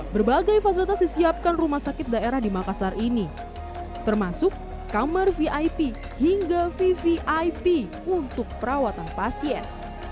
berbagai fasilitas disiapkan rumah sakit daerah di makassar ini termasuk kamar vip hingga vvip untuk perawatan pasien